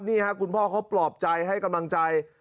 นี่ครับคุณพ่อเขาปลอบใจให้กำลังใจ